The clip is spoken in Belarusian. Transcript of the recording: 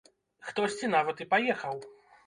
Хтосьці нават і паехаў.